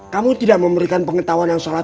kamu tidak memberikan pengetahuan yang salah